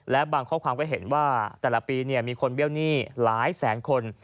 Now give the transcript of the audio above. และบางข้อความก็เห็นว่าแต่ละปีมีคนเบี้ยวหนี้หลายแสนคน